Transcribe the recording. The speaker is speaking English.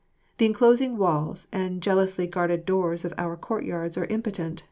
The enclosing walls and the jealously guarded doors of our courtyards are impotent.